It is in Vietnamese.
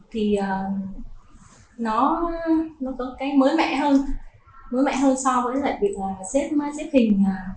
thì nó có cái mới mẹ hơn mới mẹ hơn so với việc xếp hình thông thường